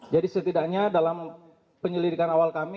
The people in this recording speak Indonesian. jadi setidaknya dalam penyelidikan awal kami